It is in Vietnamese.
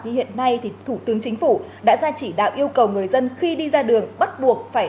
như hiện nay thì thủ tướng chính phủ đã ra chỉ đạo yêu cầu người dân khi đi ra đường bắt buộc phải